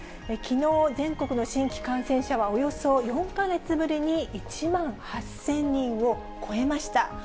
きのう、全国の新規感染者はおよそ４か月ぶりに１万８０００人を超えました。